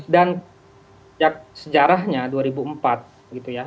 dan sejarahnya dua ribu empat gitu ya